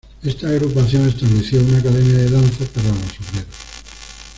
Esta agrupación estableció una academia de danza para los obreros.